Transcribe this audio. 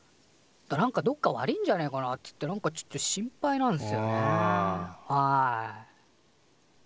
なんかどっか悪いんじゃねえかなっつってなんかちょっと心配なんすよねはい。